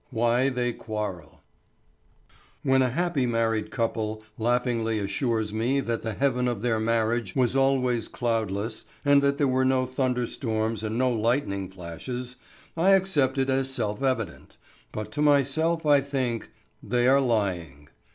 WHY THEY QUARREL When a happy married couple laughingly assures me that the heaven of their marriage was always cloudless and that there were no thunder storms and no lightning flashes I accept it as self evident, but to myself I think: they are lying.